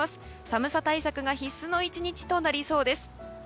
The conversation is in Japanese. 寒さ対策が必須の１日となりそうです。